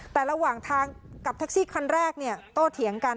แต่ระหว่างทางกับแท็กซี่คันแรกเนี่ยโตเถียงกัน